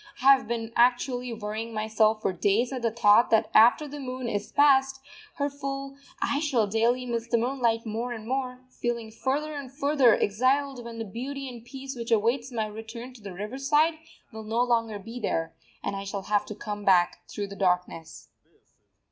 I have been actually worrying myself for days at the thought that after the moon is past her full I shall daily miss the moonlight more and more; feeling further and further exiled when the beauty and peace which awaits my return to the riverside will no longer be there, and I shall have to come back through darkness.